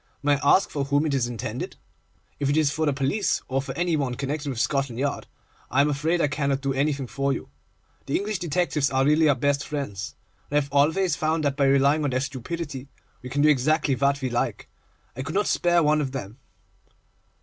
May I ask for whom it is intended? If it is for the police, or for any one connected with Scotland Yard, I am afraid I cannot do anything for you. The English detectives are really our best friends, and I have always found that by relying on their stupidity, we can do exactly what we like. I could not spare one of them.